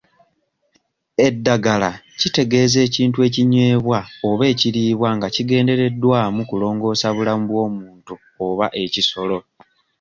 Eddagala kitegeeza ekintu ekinywebwa oba ekiriibwa nga kigendereddwamu kulongoosa bulamu bw'omuntu oba ekisolo.